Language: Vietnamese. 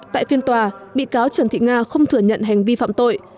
tại phiên tòa bị cáo trần thị nga không thừa nhận hành vi phạm tội